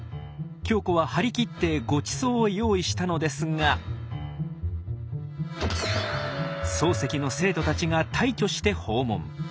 鏡子は張り切ってごちそうを用意したのですが漱石の生徒たちが大挙して訪問。